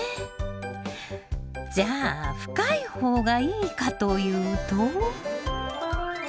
じゃあ深い方がいいかというと。